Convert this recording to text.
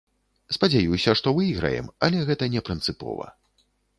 Спадзяюся, што выйграем, але гэта не прынцыпова.